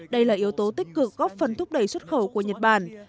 đây là yếu tố tích cực góp phần thúc đẩy xuất khẩu của nhật bản